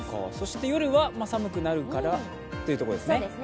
夜は寒くなるからというところですね。